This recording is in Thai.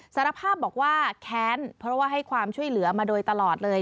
สารภาพบอกว่าแค้นเพราะว่าให้ความช่วยเหลือมาโดยตลอดเลย